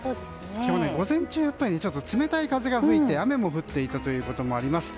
今日は午前中、冷たい風が吹いて雨も降っていたということもあります。